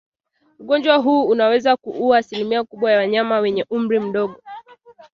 Ugonjwa huu unaweza kuua asilimia kubwa ya wanyama wenye umri mdogo